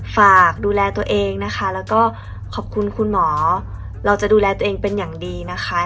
ฝากดูแลตัวเองนะคะแล้วก็ขอบคุณคุณหมอเราจะดูแลตัวเองเป็นอย่างดีนะคะ